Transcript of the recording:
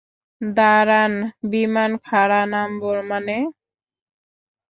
দাঁড়ান, বিমান খাঁড়া নামাবো মানে?